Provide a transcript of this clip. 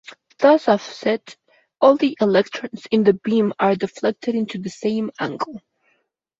Thus offset, all the electrons in the beam are deflected into the same angle.